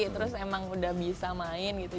terus emang udah bisa main gitu